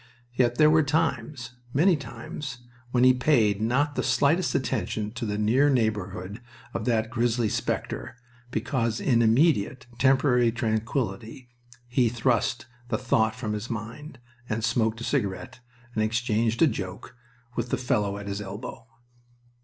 Yet there were times, many times, when he paid not the slightest attention to the near neighborhood of that grisly specter, because in immediate, temporary tranquillity he thrust the thought from his mind, and smoked a cigarette, and exchanged a joke with the fellow at his elbow.